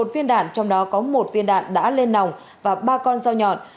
một mươi một viên đạn trong đó có một viên đạn đã lên nòng và ba con dao nhọn